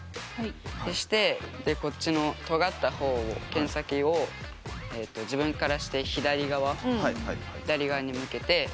そしてこっちのとがった方をけん先を自分からして左側左側に向けて。